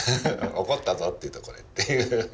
怒ったぞっていうとこれっていう。